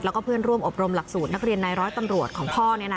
แล้วก็เพื่อนร่วมอบรมหลักสูตรนักเรียนในร้อยตำรวจของพ่อ